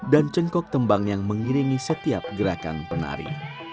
dan cengkok tembang yang mengiringi setiap gerakan penari